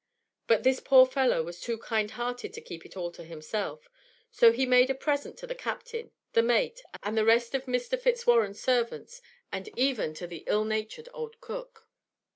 But this poor fellow was too kind hearted to keep it all to himself; so he made a present to the captain, the mate, and the rest of Mr. Fitzwarren's servants; and even to the ill natured old cook.